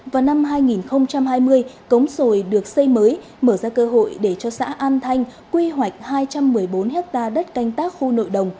vào năm hai nghìn hai mươi cống sồi được xây mới mở ra cơ hội để cho xã an thanh quy hoạch hai trăm một mươi bốn hectare đất canh tác khu nội đồng